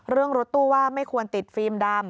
รถตู้ว่าไม่ควรติดฟิล์มดำ